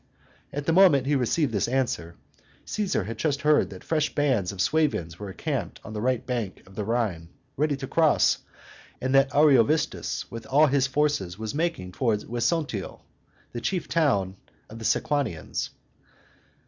At the moment he received this answer, Caesar had just heard that fresh bands of Suevians were encamped on the right bank of the Rhine, ready to cross, and that Ariovistus with all his forces was making towards Vesontio (Besancon), the chief town of the Sequanians.